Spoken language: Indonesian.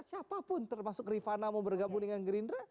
siapapun termasuk rifana mau bergabung dengan geridra kita terbuka